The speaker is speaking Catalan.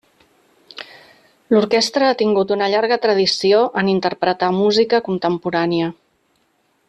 L'orquestra ha tingut una llarga tradició en interpretar música contemporània.